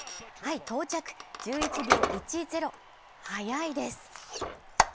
到着、１１秒１０、速いです！